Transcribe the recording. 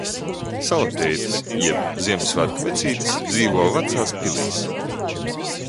Salatētis jeb Ziemassvētku vecītis dzīvo vecās pilīs.